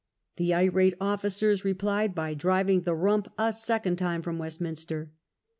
The irate officers replied by driving the " Rump " a second time from Westminster.